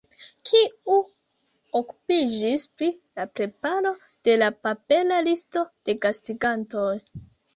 Kiu okupiĝis pri la preparo de la papera listo de gastigantoj?